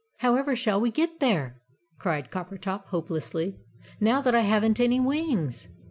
"However shall we get there," cried Coppertop, hopelessly, "now that I haven't any wings?"